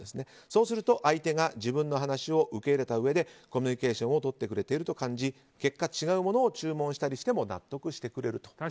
そうすると相手が自分の話を受け入れたうえでコミュニケーションをとってくれていると感じ結果、違うものを注文したりしてくれても納得してくれると。